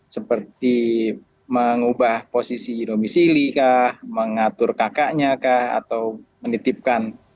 seperti mengubah posisi domisili kah mengatur kakaknya kah atau menitipkan